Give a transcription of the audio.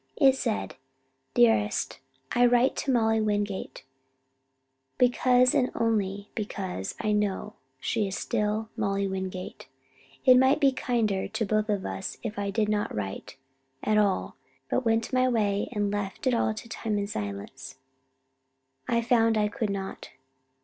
It said: DEAREST: I write to Molly Wingate, because and only because I know she still is Molly Wingate. It might be kinder to us both if I did not write at all but went my way and left it all to time and silence. I found I could not.